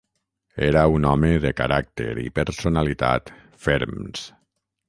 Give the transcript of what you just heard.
Era un home de caràcter i personalitat ferms.